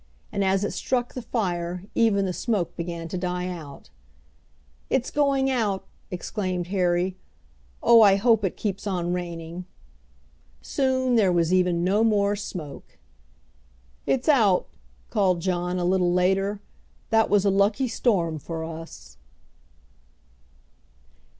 And as it struck the fire even the smoke began to die out. "It's going out!" exclaimed Harry. "Oh, I hope it keeps on raining!" Soon there was even no more smoke! "It's out!" called John, a little later. "That was a lucky storm for us."